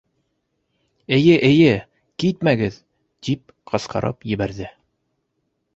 —Эйе-эйе, китмәгеҙ! —тип ҡысҡырып ебәрҙе.